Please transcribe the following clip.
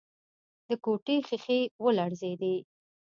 د کوټې ښيښې ولړزېدې.